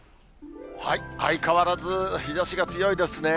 相変わらず日ざしが強いですね。